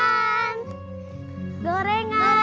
ada apa aja gorengannya